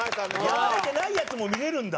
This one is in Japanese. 流れてないやつも見れるんだ！